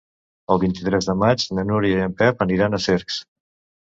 El vint-i-tres de maig na Núria i en Pep aniran a Cercs.